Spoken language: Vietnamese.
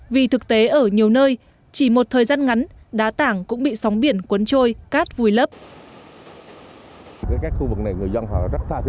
vì thực tế ở nhiều nơi chỉ một thời gian ngắn đá tảng cũng bị sóng biển cuốn trôi cát vùi lấp